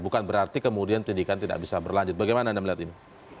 bukan berarti kemudian penyidikan tidak bisa berlanjut bagaimana anda melihat ini